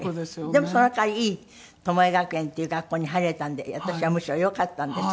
でもその代わりいいトモエ学園っていう学校に入れたんで私はむしろよかったんですけど。